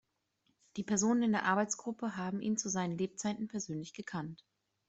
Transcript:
Die Personen in der Arbeitsgruppe haben ihn zu seinen Lebzeiten persönlich gekannt.